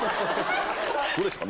どうですか？